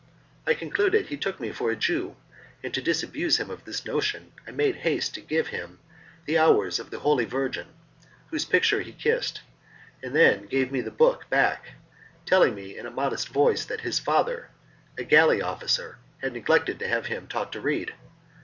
I concluded he took me for a Jew; and to disabuse him of this notion I made haste to give him the "Hours of the Holy Virgin," whose picture he kissed, and then gave me the book back, telling me in a modest voice that his father a galley officer had neglected to have him taught to read.